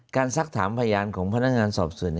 ซักถามพยานของพนักงานสอบส่วน